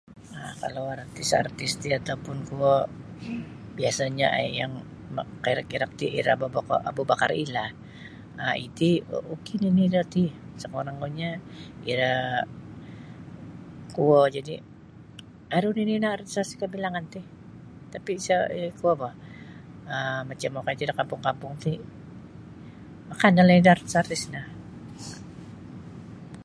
um Kalau artis-artis ti atau pun kuo biasanyo um yang makairak-irak ti ira Abu Bakar Abu Bakar Ellah iti ok nini iro ti sakurang-kurangnyo iro kuo jadi aru nini ino artis-artis yang kabilangan ti tatapi isa kuo boh um tapi macam okoi da kampung-kampung ti kanal nini da artis-artis no.